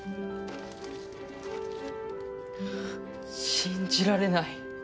信じられない。